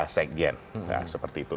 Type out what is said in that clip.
sek gen nah seperti itu